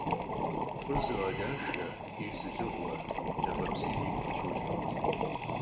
ФӀыр зыгъэдахэ, Ӏейр зылыгъуэ мафӀэбзийр и гум щолыд.